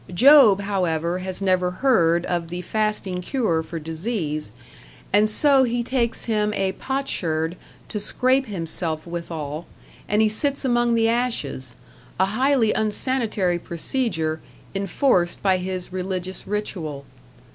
Job, however, has never heard of the fasting cure for disease, and so he takes him a potsherd to scrape himself withal, and he sits among the ashes a highly unsanitary procedure enforced by his religious ritual.